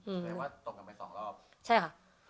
เอ็นก้าตบหลีงไปต่อรอบ